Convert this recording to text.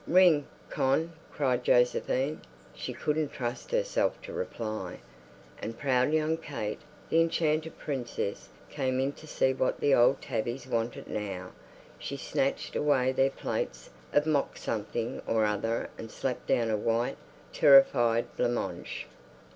"Ring, Con," cried Josephine. She couldn't trust herself to reply. And proud young Kate, the enchanted princess, came in to see what the old tabbies wanted now. She snatched away their plates of mock something or other and slapped down a white, terrified blancmange.